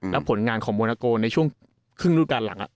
แล้วผลงานของมวนาโกในช่วงครึ่งธุรกาลหลัง